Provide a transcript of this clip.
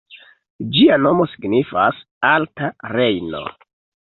Ĝia nomo signifas “alta Rejno”.